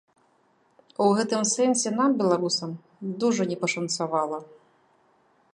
У гэтым сэнсе нам, беларусам, дужа не пашанцавала.